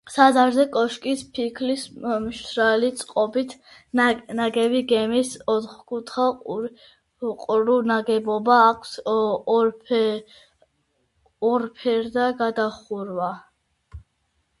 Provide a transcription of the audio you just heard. საზარე კოშკი ფიქლის მშრალი წყობით ნაგები გეგმით ოთხკუთხა ყრუ ნაგებობაა, აქვს ორფერდა გადახურვა.